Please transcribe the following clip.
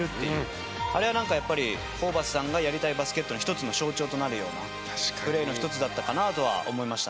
あれはやっぱりホーバスさんがやりたいバスケットの一つの象徴となるようなプレーの一つだったかなとは思いましたね。